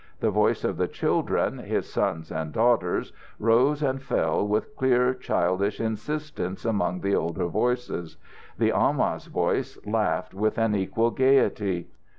The voices of the children, his sons and daughters, rose and fell with clear childish insistence among the older voices. The amah's voice laughed with an equal gaiety.